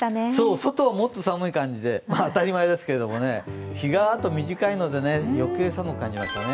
外はもっと寒い感じで当たり前ですけどね、あと日が短いので余計寒く感じますよね。